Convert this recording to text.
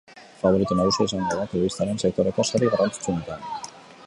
Faborito nagusia izango da telebistaren sektoreko sari garrantzitsuenetan.